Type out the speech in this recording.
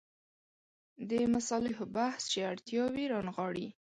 د مصالحو بحث چې اړتیاوې رانغاړي.